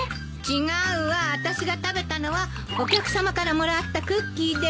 違うわあたしが食べたのはお客さまからもらったクッキーで。